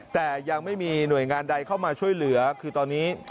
แต่ยังไม่มีหน่วยงานใดเข้ามาช่วยเหลือคือตอนนี้